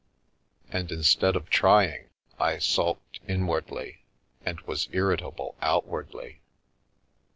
And instead of trying, I sulked inwardly, and was irri table outwardly.